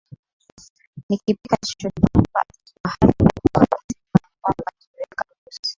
nikipika chochote kwa nyumba alikuwa hali alikuwa anakisema ya kwamba nimeweka virusi